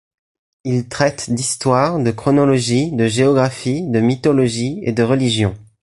Ils traitent d’histoire, de chronologie, de géographie, de mythologie et de religion.